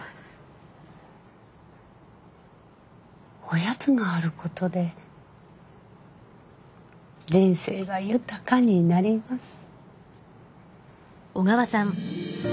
おやつがあることで人生が豊かになります。